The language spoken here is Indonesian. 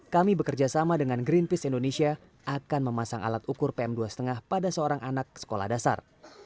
kami bekerja sama dengan greenpeace indonesia akan memasang alat ukur pm dua lima pada seorang anak sekolah dasar